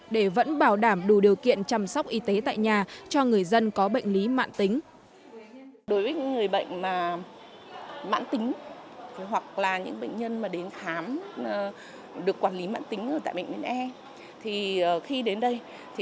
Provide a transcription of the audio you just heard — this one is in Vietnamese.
để vẫn bảo đảm đủ điều kiện chăm sóc y tế tại nhà cho người dân có bệnh lý mạng tính